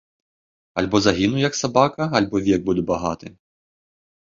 Альбо загіну, як сабака, альбо век буду багаты!